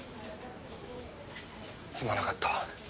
すまなかった。